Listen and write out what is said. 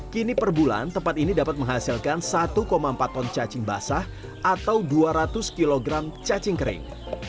kini per bulan tempat ini dapat menghasilkan satu empat ton cacing basah atau dua ratus kg cacing kering